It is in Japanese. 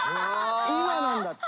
今なんだって。